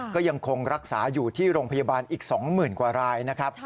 ก็ยังคงรักษาอยู่ที่โรงพยาบาลอีก๒๐๐๐กว่ารายนะครับ